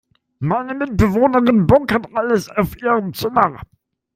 Meine Mitbewohnerin bunkert alles auf ihrem Zimmer.